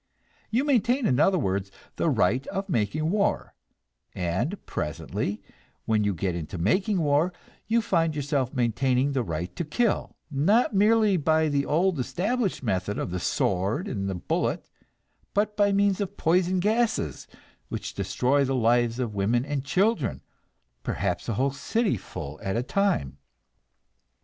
You maintain, in other words, the right of making war; and presently, when you get into making war, you find yourself maintaining the right to kill, not merely by the old established method of the sword and the bullet, but by means of poison gases which destroy the lives of women and children, perhaps a whole city full at a time.